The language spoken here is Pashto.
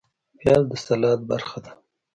پیاز د سلاد برخه ده